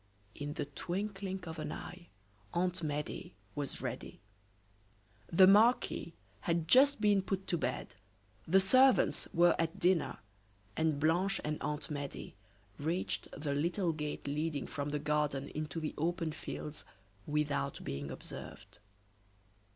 In the twinkling of an eye Aunt Medea was ready. The marquis had just been put to bed, the servants were at dinner, and Blanche and Aunt Medea reached the little gate leading from the garden into the open fields without being observed.